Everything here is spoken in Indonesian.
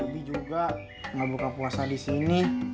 bobi juga mau buka puasa disini